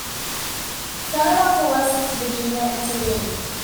Senator for West Virginia, intervened.